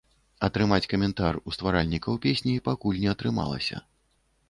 Атрымаць каментар у стваральнікаў песні пакуль не атрымалася.